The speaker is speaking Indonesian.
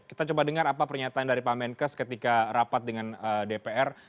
kita coba dengar apa pernyataan dari pak menkes ketika rapat dengan dpr